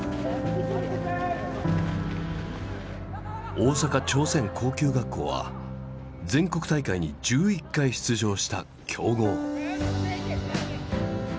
大阪朝鮮高級学校は全国大会に１１回出場した強豪。